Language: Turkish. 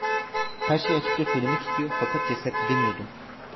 Her şeyi açıkça söylemek istiyor, fakat cesaret edemiyordum.